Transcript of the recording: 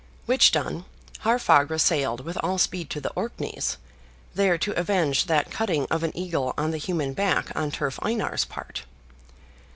Which done, Haarfagr sailed with all speed to the Orkneys, there to avenge that cutting of an eagle on the human back on Turf Einar's part.